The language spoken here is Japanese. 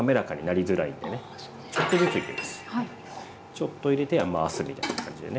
ちょっと入れては回すみたいな感じでね